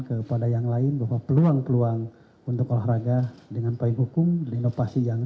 kepada yang lain bahwa peluang peluang untuk olahraga dengan payung hukum dan inovasi yang